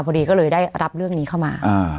พอดีก็เลยได้รับเรื่องนี้เข้ามา